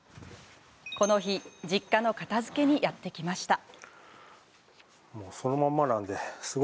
この日、実家の片づけにやって来ました。